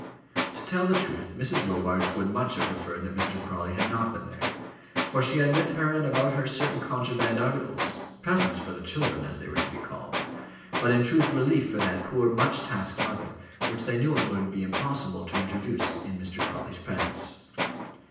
To tell the truth Mrs. Robarts would much have preferred that Mr. Crawley had not been there, for she had with her and about her certain contraband articles, presents for the children, as they were to be called, but in truth relief for that poor, much tasked mother, which they knew it would be impossible to introduce in Mr. Crawley's presence.